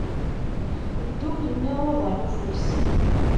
Dduklen iḍudan n ufus.